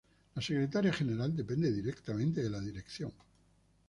La Secretaría General depende directamente de la Dirección.